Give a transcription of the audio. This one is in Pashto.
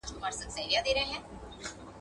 دارغنداب سیند د کندهار د بڼوالو امید دی.